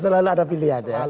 selalu ada pilihan ya